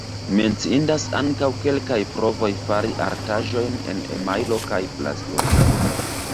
Menciindas ankaŭ kelkaj provoj fari artaĵojn en emajlo kaj plasto.